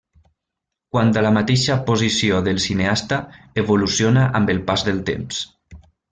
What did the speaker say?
Quant a la mateixa posició del cineasta, evoluciona amb el pas del temps.